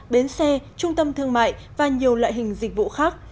bến xe trung tâm thương mại và nhiều loại hình dịch vụ khác